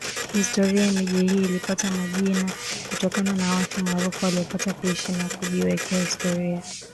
Kihistoria miji hii ilipata majina kutokana na watu maarufu waliopata kuishi na kujiwekea historia